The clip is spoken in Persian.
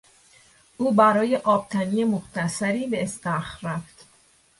او برای آبتنی مختصری به استخر رفت.